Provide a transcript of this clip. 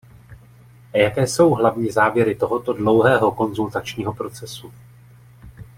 Jaké jsou hlavní závěry tohoto dlouhého konzultačního procesu?